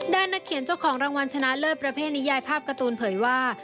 นักเขียนเจ้าของรางวัลชนะเลิศประเภทนิยายภาพการ์ตูนเผยว่า